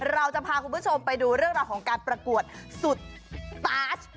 เราจะพาคุณผู้ชมไปดูเรื่องราวของการประกวดสุดตาช